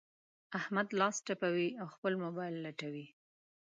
احمد لاس تپوي؛ او خپل مبايل لټوي.